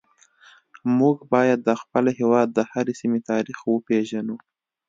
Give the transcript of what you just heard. موږ باید د خپل هیواد د هرې سیمې تاریخ وپیژنو